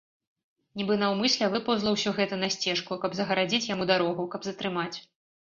Нібы наўмысля выпаўзла ўсё гэта на сцежку, каб загарадзіць яму дарогу, каб затрымаць.